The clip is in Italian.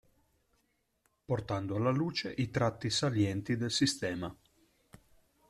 Portando alla luce i tratti salienti del sistema.